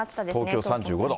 東京３５度。